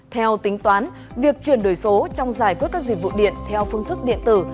theo tính toán việc chuyển đổi số trong giải quyết các dịch vụ điện theo phương thức điện tử